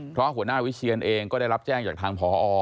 เพราะหัวหน้าวิเชียนเองก็ได้รับแจ้งจากทางพอ